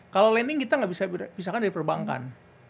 kalau lending kita gak bisa pisahkan dari perbankan